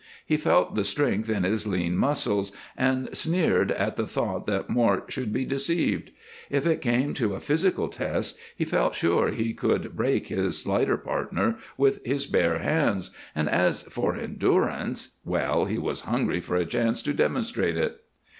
He felt the strength in his lean muscles, and sneered at the thought that Mort should be deceived. If it came to a physical test he felt sure he could break his slighter partner with his bare hands, and as for endurance well, he was hungry for a chance to demonstrate it.